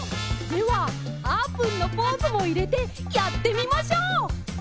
ではあーぷんのポーズもいれてやってみましょう！